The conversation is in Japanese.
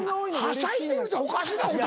はしゃいでるっておかしな言葉やな。